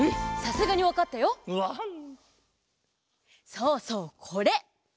そうそうこれ！